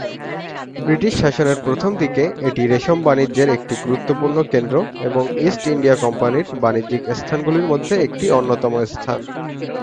British শাসনের প্রথম দিকে এটি রেশম বাণিজ্যের একটি গুরুত্বপূর্ণ কেন্দ্র এবং ইস্ট ইন্ডিয়া কোম্পানির বাণিজ্যিক স্থানগুলির মধ্যে একটি অন্যতম স্থান।